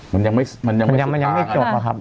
มันยังไม่จบอะครับ